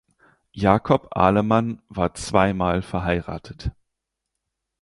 Jacob Alemann war zweimal verheiratet.